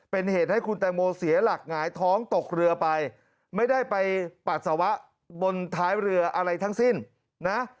เป็นเหตุให้คุณแตงโมเสียหลักหงายท้องตกเรือไปไม่ได้ไปปัสสาวะบนท้ายเรืออะไรทั้งสิ้นนะ